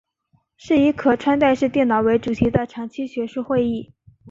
是以可穿戴式电脑为主题的长期学术会议。